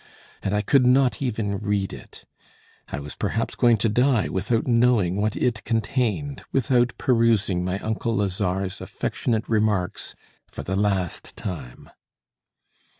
And I could not even read it! I was perhaps going to die without knowing what it contained, without perusing my uncle Lazare's affectionate remarks for the last time.